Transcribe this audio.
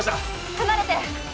離れて！